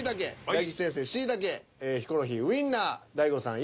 大吉先生「しいたけ」ヒコロヒー「ウインナー」大悟さん